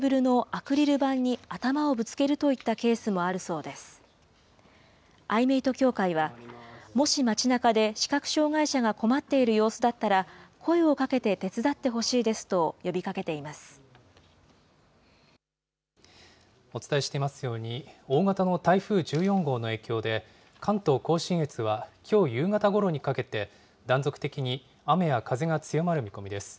アイメイト協会は、もし街なかで視覚障害者が困っている様子だったら、声をかけて手伝ってほしいお伝えしていますように、大型の台風１４号の影響で、関東甲信越はきょう夕方ごろにかけて、断続的に雨や風が強まる見込みです。